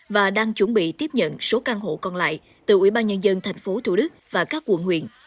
và đang chuẩn bị tiếp nhận số căn hộ còn lại từ ủy ban nhân dân tp thủ đức và các quận huyện